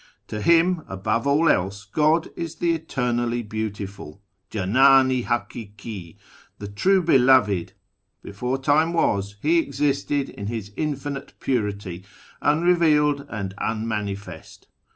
To him, above all else, God is the Eternally Beautiful, —'' Jdndn i HaMki" t\\Q " True Be loved." Before time was. He existed in His Infinite Purity, unrevealed and unmanifest.